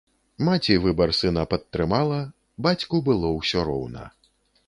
Маці выбар сына падтрымала, бацьку было ўсё роўна.